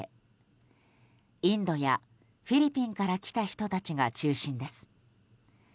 インドやフィリピンから来た人たちが中心です。